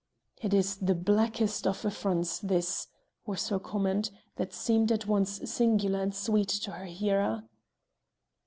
"It is the blackest of affronts this," was her comment, that seemed at once singular and sweet to her hearer.